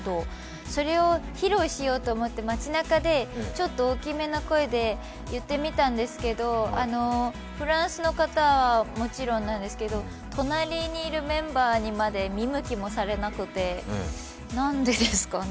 それを披露しようと思って街なかでちょっと大きめな声で言ってみたんですけどフランスの方はもちろんなんですけど隣にいるメンバーにまで見向きもされなくてなんでですかね。